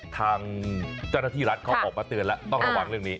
ทางเจ้าหน้าที่รัฐเขาออกมาเตือนแล้วต้องระวังเรื่องนี้